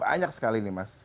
sebenarnya banyak sekali mas